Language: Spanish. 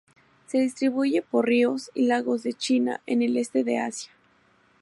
Se distribuye por ríos y lagos de China en el este de Asia.